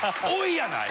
やない。